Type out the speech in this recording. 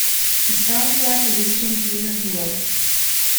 The soundtrack listing is given below.